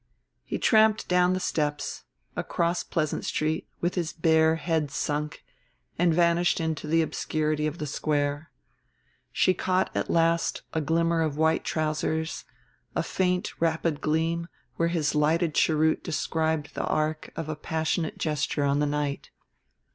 He tramped down the steps, across Pleasant Street, with his bare head sunk, and vanished into the obscurity of the Square. She caught a last glimmer of white trousers, a faint rapid gleam where his lighted cheroot described the arc of a passionate gesture on the night.